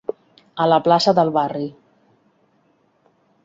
A la plaça del barri.